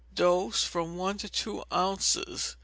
Dose, from one to two ounces.